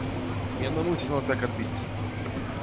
І яно мусіла так адбіцца.